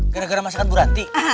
gara gara masakan bu ranti